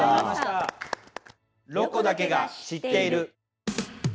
「ロコだけが知っている」。